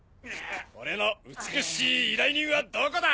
俺の美しい依頼人はどこだ？